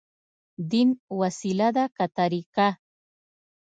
دين وسيله ده، که طريقه؟